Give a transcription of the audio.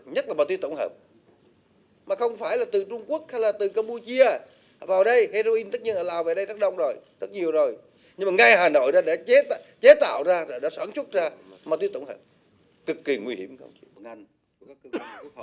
nhất là ma túy tổng hợp mà không phải là từ trung quốc hay là từ campuchia vào đây heroin tất nhiên ở lào về đây rất đông rồi rất nhiều rồi nhưng mà ngay hà nội đã chế tạo ra đã sản xuất ra ma túy tổng hợp cực kỳ nguy hiểm